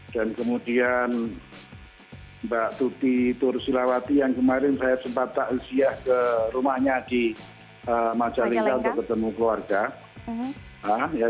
dan kemudian mbak tuti tursilawati yang kemarin saya sempat tak usia ke rumahnya di majalengka untuk bertemu keluarga